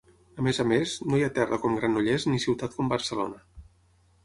A més a més, no hi ha terra com Granollers ni ciutat com Barcelona.